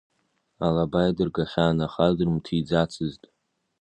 Алаба иадыргахьан, аха дрымҭиӡацызт.